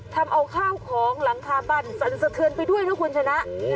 ทำเอาข้าวของหลังคาบ้านสั่นสะเทือนไปด้วยนะคุณชนะ